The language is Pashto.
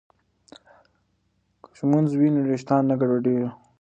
که ږمنځ وي نو ویښتان نه ګډوډیږي.